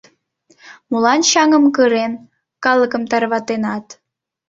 — Молан чаҥым кырен, калыкым тарватенат?